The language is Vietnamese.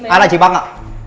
ai là chị băng ạ